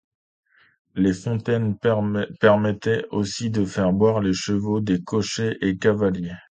Les fontaines permettaient aussi de faire boire les chevaux des cochers et cavaliers.